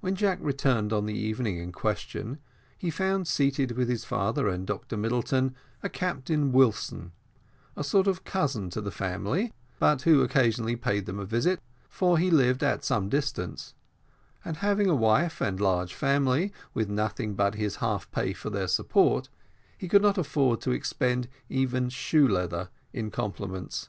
When Jack returned on the evening in question, he found seated with his father and Dr Middleton, a Captain Wilson, a sort of cousin to the family, who but occasionally paid them a visit, for he lived at some distance; and having a wife and large family, with nothing but his half pay for their support, he could not afford to expend even shoe leather in compliments.